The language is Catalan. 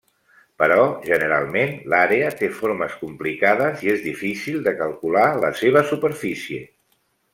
Però, generalment, l'àrea té formes complicades i és difícil de calcular la seva superfície.